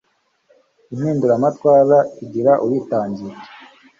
impinduramatwara igira uyitangira